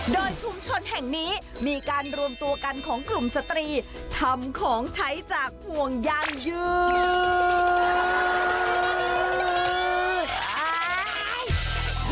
โดยชุมชนแห่งนี้มีการรวมตัวกันของกลุ่มสตรีทำของใช้จากห่วงยางยืน